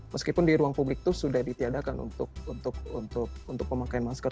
meskipun di ruang publik itu sudah ditiadakan untuk pemakaian masker